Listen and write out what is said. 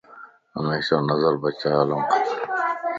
ھميشا نظر بچائي ھلڻ کپ